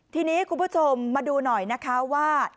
ทีนี้คุณผู้ชมมาดูหน่อยนะคะว่า